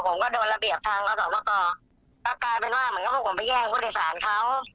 ผมก็โดนระเบียบทางอสมกรก็กลายเป็นว่าเหมือนกับพวกผมไปแย่งผู้โดยสารเขา